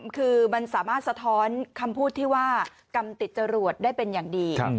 คือมันสามารถสะท้อนคำพูดที่ว่ากรรมติดจรวดได้เป็นอย่างดี